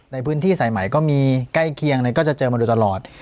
ในพื้นที่สายใหม่ก็มีใกล้เคียงก็จะเจอมาโดยตลอด